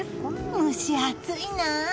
蒸し暑いな。